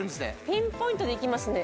ピンポイントでいきますね